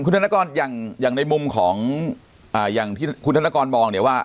คุณธนกรอย่างในมุมที่คุณธนกรมองเนี่ยว่า